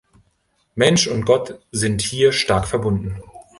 Mensch und Gott sind hier stark verbunden.